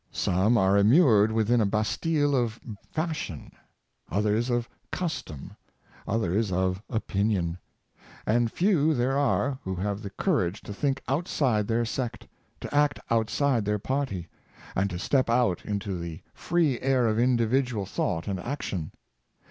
Some are immured within a bastile of fashion, others of custom, others of opinion; and few there are who have the courage to think outside their sect, to act outside their party, and to step out into the free air of individual thought and action.